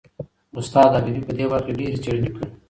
استاد حبیبي په دې برخه کې ډېرې څېړنې کړي.